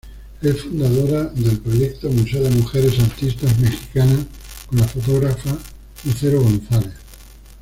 Es fundadora del proyecto Museo de Mujeres Artistas Mexicanas con la fotógrafa Lucero González.